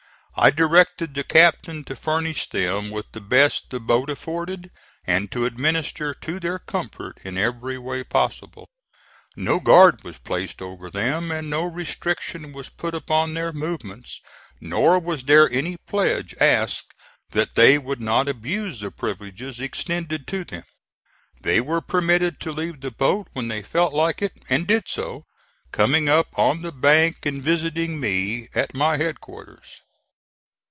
I directed the captain to furnish them with the best the boat afforded, and to administer to their comfort in every way possible. No guard was placed over them and no restriction was put upon their movements; nor was there any pledge asked that they would not abuse the privileges extended to them. They were permitted to leave the boat when they felt like it, and did so, coming up on the bank and visiting me at my headquarters.